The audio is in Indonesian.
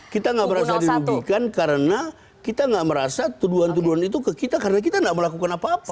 kita gak merasa dirugikan karena kita gak merasa tuduhan tuduhan itu ke kita karena kita tidak melakukan apa apa